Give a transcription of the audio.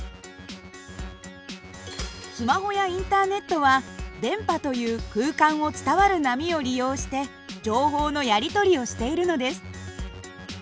スマホやインターネットは電波という空間を伝わる波を利用して情報のやり取りをしているのです。